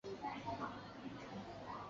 这一年鉴现在仍在出版。